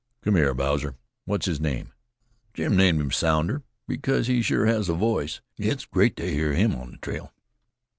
Come here, Bowser what's his name?" "Jim named him Sounder, because he sure has a voice. It's great to hear him on a trail.